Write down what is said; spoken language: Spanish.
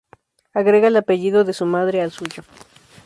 Agrega el apellido de su madre al suyo.